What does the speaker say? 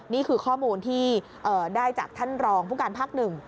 นี่คือข้อมูลที่ได้จากท่านรองผู้การภาคหนึ่ง